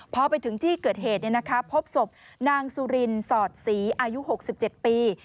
พอไปถึงที่เกิดเหตุพบศพนางสุรินสอดศรีอายุ๖๗ปี